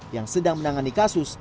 yang sedang menangani kasus